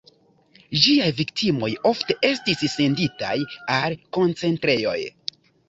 Ĝiaj viktimoj ofte estis senditaj al koncentrejoj.